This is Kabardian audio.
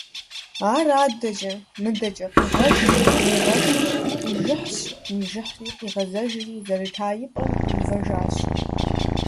Ар адэкӀэ-мыдэкӀэ къигъэш-нигъэшурэ, къижыхьщ-нижыхьри къигъэзэжри зэрыта и пӀэм къиувэжащ.